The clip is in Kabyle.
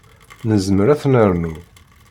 Nezmer ad ten-nernu.